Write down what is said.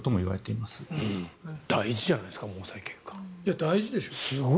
大事でしょ。